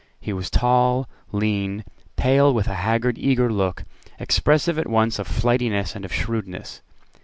He was tall, lean, pale, with a haggard eager look, expressive at once of flightiness and of shrewdness.